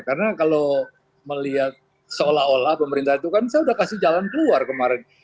karena kalau melihat seolah olah pemerintah itu kan saya sudah kasih jalan keluar kemarin